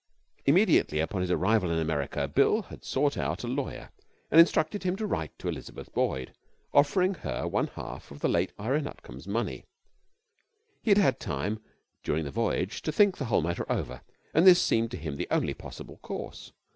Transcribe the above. Immediately upon his arrival in America, Bill had sought out a lawyer and instructed him to write to Elizabeth Boyd, offering her one half of the late Ira Nutcombe's money. He had had time during the voyage to think the whole matter over, and this seemed to him the only possible course.